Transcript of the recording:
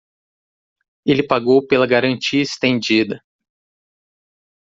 Ele pagou pela garantia extendida